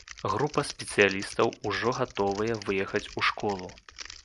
Група спецыялістаў ўжо гатовая выехаць у школу.